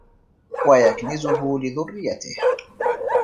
وَيَكْنِزُهُ لِذُرِّيَّتِهِ